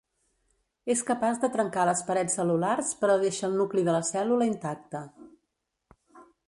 És capaç de trencar les parets cel·lulars, però deixa el nucli de la cèl·lula intacte.